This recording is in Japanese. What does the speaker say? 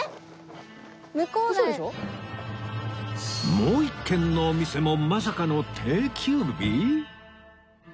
もう一軒のお店もまさかの定休日？